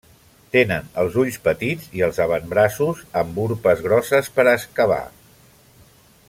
Tenen els ulls petits i els avantbraços, amb urpes grosses per a excavar.